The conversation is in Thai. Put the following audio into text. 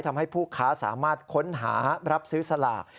ทำให้ผู้ค้าสามารถค้นหารับซื้อสลาก